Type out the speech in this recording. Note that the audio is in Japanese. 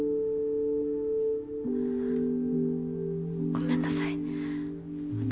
ごめんなさい私。